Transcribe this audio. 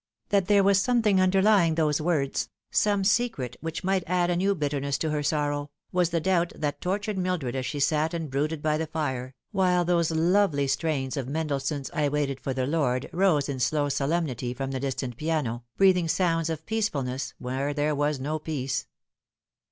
That there was some thing underlying those words, some secret which might add a new bitterness to her sorrow, was the doubt that tortured Mil dred as she sat and brooded by the fire, while those lovely strains of Mendelssohn's " I waited for the Lord " rose in slow solemnity from the distant piano, breathing sounds of peaceful ness where there was no peace.